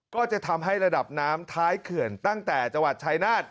ก็จะทำให้ระดับน้ำท้ายเขื่อนตั้งแต่จังหวัดชายนาฏ